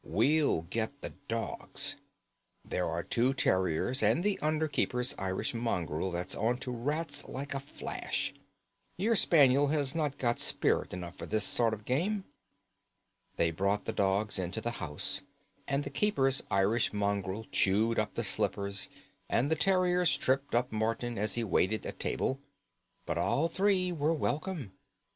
We'll get the dogs. There are the two terriers and the under keeper's Irish mongrel that's on to rats like a flash. Your spaniel has not got spirit enough for this sort of game." They brought the dogs into the house, and the keeper's Irish mongrel chewed up the slippers, and the terriers tripped up Morton as he waited at table; but all three were welcome.